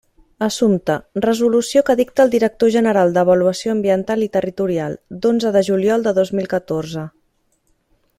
Assumpte: resolució que dicta el director general d'Avaluació Ambiental i Territorial, d'onze de juliol de dos mil catorze.